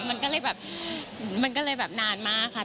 มันก็เลยแบบมันก็เลยแบบนานมากค่ะ